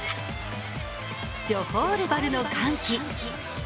ジョホールバルの歓喜。